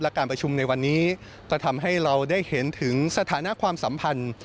และการประชุมในวันนี้ก็ทำให้เราได้เห็นถึงสถานะความสัมพันธ์